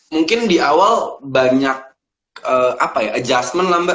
mungkin di awal banyak adjustment lah mbak